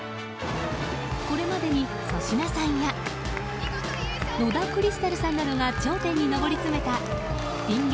これまでに粗品さんや野田クリスタルさんなどが頂点に上り詰めたピン芸